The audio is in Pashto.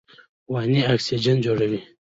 ونې اکسیجن جوړوي.